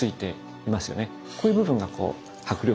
こういう部分が迫力をね